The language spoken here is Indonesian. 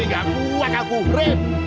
nggak kuat aku rep